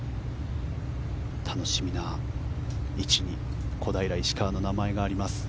楽しみな位置に小平、石川の名前があります。